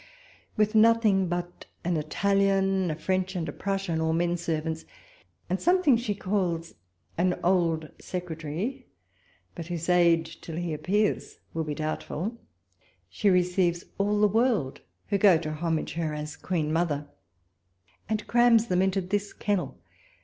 With nothing but an Italian, a French, and a Prussian, all men servants, and something she calls an riUI secretary, but whose age till he appears will be doubtful ; she receives all the ■world, who go to homage her as Queen Mother, and crams them into this kennel.